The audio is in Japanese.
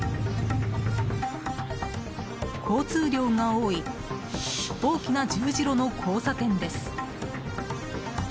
交通量が多い大きな十字路の交差点です。